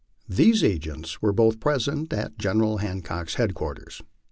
These agents were both present at General Hancock's headquarters.